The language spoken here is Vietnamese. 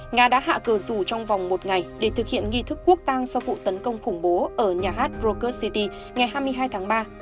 nga đã hạ cờ rủ trong vòng một ngày để thực hiện nghi thức quốc tang sau vụ tấn công khủng bố ở nhà hát rocket city ngày hai mươi hai tháng ba